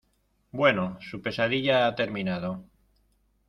bueno, su pesadilla ha terminado